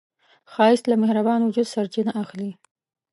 ښایست له مهربان وجوده سرچینه اخلي